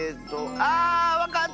あわかった！